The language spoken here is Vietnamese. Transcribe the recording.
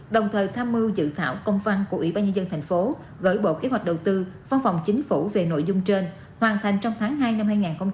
đồng thời tham mưu dự thảo công văn của ủy ban nhân dân tp hcm gửi bộ kế hoạch đầu tư văn phòng chính phủ về nội dung trên hoàn thành trong tháng hai năm hai nghìn hai mươi